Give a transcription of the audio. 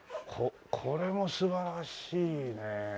これも素晴らしいね。